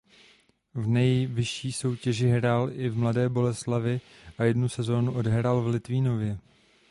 V nejvyšší soutěži hrál i v Mladé Boleslavi a jednu sezónu odehrál v Litvínově.